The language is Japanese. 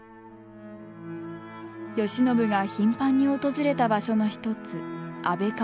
慶喜が頻繁に訪れた場所の一つ安倍川。